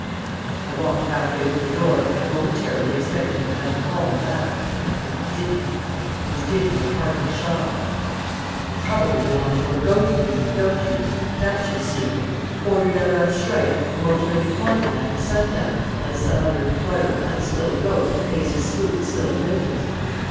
I walked half way to the door, momentarily expecting to have him call me back; but he didn't. I had to give him a parting shot. "You probably belong to a ghost union don't you? That's your secret? Ordered out on strike, and won't do any haunting after sundown unless some other employer of unskilled ghosts pays his spooks skilled wages."